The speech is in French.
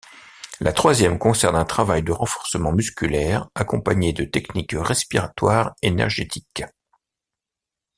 La troisième concerne un travail de renforcement musculaire accompagné de techniques respiratoires énergétiques.